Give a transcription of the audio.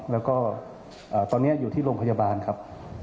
แล้วก็ตอนนี้อยู่ที่โรงพยาบาลครับ